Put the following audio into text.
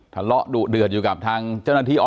อ๋อเจ้าสีสุข่าวของสิ้นพอได้ด้วย